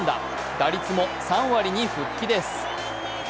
打率も３割に復帰です。